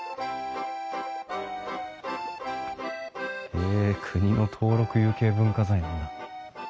へえ国の登録有形文化財なんだ。